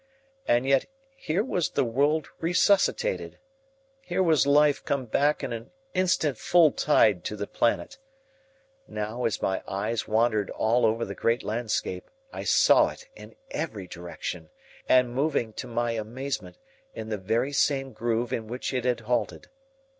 And yet here was the world resuscitated here was life come back in an instant full tide to the planet. Now, as my eyes wandered all over the great landscape, I saw it in every direction and moving, to my amazement, in the very same groove in which it had halted.